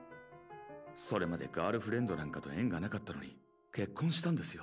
それまでガールフレンドなんかと縁がなかったのに結婚したんですよ。